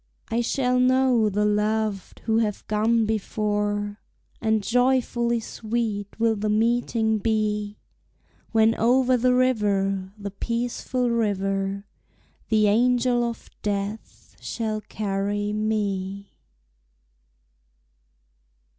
I shall know the loved who have gone before, And joyfully sweet will the meeting be, When over the river, the peaceful river, The angel of death shall carry me.